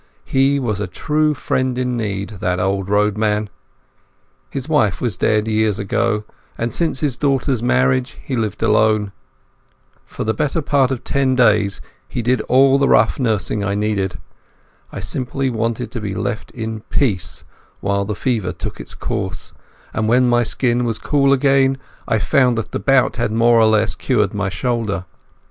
He was a true friend in need, that old roadman. His wife was dead years ago, and since his daughter's marriage he lived alone. For the better part of ten days he did all the rough nursing I needed. I simply wanted to be left in peace while the fever took its course, and when my skin was cool again I found that the bout had more or less cured my shoulder.